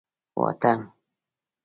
واټن